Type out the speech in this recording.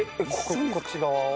こっち側を？